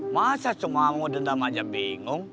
masa cuma mau dendam aja bingung